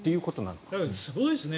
でもすごいですね。